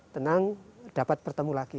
tenang dapat bertemu lagi